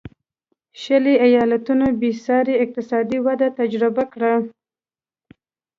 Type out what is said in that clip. شلي ایالتونو بېسارې اقتصادي وده تجربه کړه.